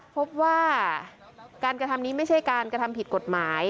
พบว่าการกระทำนี้ไม่ใช่การกระทำผิดกฎหมาย